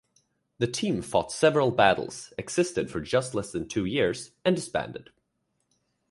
The team fought several battles, existed for just less than two years, and disbanded.